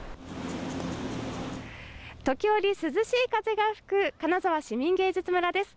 時折涼しい風が吹く金沢市民芸術村です。